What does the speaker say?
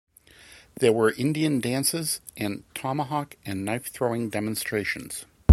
There were Indian dances and tomahawk and knife-throwing demonstrations.